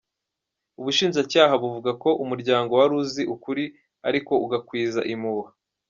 Ubushinjacyaha buvuga ko umuryango wari uzi ukuri ariko ‘ugakwiza impuha’.